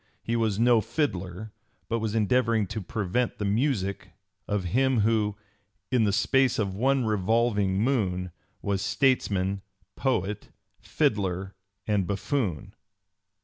He was no fiddler, but (p. 282) was endeavoring to prevent the music of him who, 'In the space of one revolving moon, Was statesman, poet, fiddler, and buffoon.'"